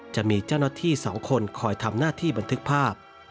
จะมีเจ้าหน้าที่๒คนคอยทำหน้าที่บันทึกภาพ